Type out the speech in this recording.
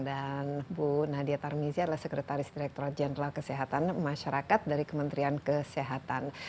dan bu nadia tarmizi adalah sekretaris direktur general kesehatan masyarakat dari kementerian kesehatan